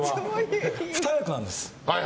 ２役なんです。